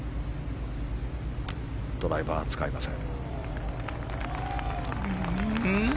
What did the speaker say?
ドライバーは使いません。